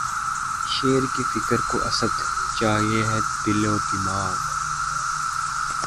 شعر کی فکر کو اسدؔ! چاہیے ہے دل و دماغ